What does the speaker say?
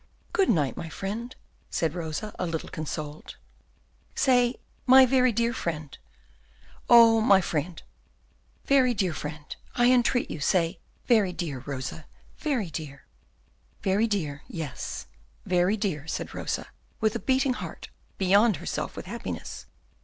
'" "Good night, my friend," said Rosa, a little consoled. "Say, 'My very dear friend.'" "Oh, my friend " "Very dear friend, I entreat you, say 'very dear,' Rosa, very dear." "Very dear, yes, very dear," said Rosa, with a beating heart, beyond herself with happiness.